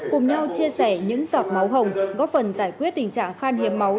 cùng nhau chia sẻ những giọt máu hồng góp phần giải quyết tình trạng khan hiếm máu